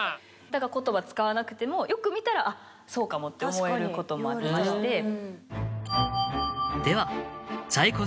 だから言葉使わなくてもよく見たら「あっそうかも」って思えることもありまして。